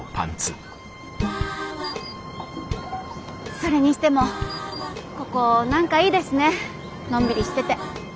それにしてもここ何かいいですねのんびりしてて。